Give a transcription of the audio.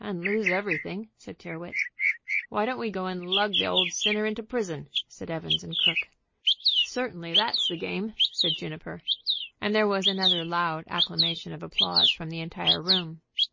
"And lose everything," said Tyrrwhit. "Why don't we go and lug the old sinner into prison?" said Evans & Crooke. "Certainly that's the game," said Juniper, and there was another loud acclamation of applause from the entire room.